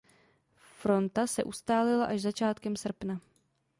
Fronta se ustálila až začátkem srpna.